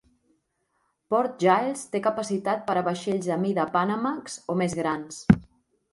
Port Giles té capacitat per a vaixells de mida Panamax o més grans.